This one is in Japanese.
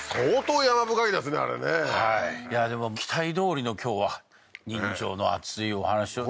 あれねはいいやでも期待どおりの今日は人情の厚いお話をね